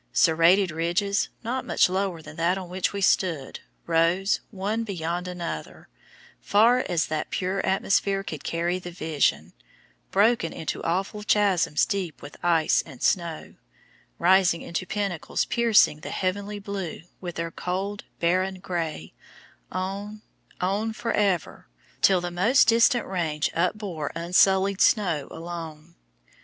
Serrated ridges, not much lower than that on which we stood, rose, one beyond another, far as that pure atmosphere could carry the vision, broken into awful chasms deep with ice and snow, rising into pinnacles piercing the heavenly blue with their cold, barren grey, on, on for ever, till the most distant range upbore unsullied snow alone.